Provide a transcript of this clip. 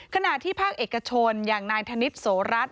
ขณะที่ภาคเอกชนอย่างนายธนิษฐโสรัตน